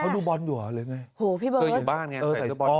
เขาดูบอลดูหรอเลยไงคืออยู่บ้านไง